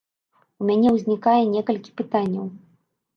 У мяне ўзнікае некалькі пытанняў.